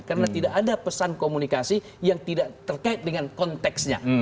karena tidak ada pesan komunikasi yang tidak terkait dengan konteksnya